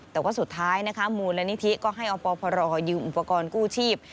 แต่ว่าสุดท้ายมูลนิธิรัฐวิทยาก็ให้อปพยืมอุปกรณ์กู้ชีพ